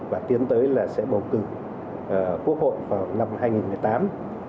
và tiến tới là sẽ bầu cử quốc hội vào năm hai nghìn một mươi tám